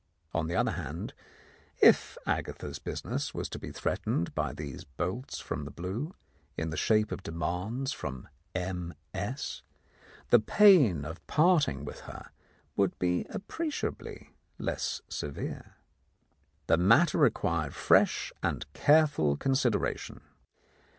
On the other hand, if Agatha's business was to be threatened by these bolts from the blue, in the shape of demands from M.S., the pain of parting with her would be appre ciably less severe. The matter required fresh and careful consideration.